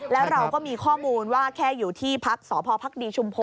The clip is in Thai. แล้วเราก็มีข้อมูลว่าแค่อยู่ที่พักสพภักดีชุมพล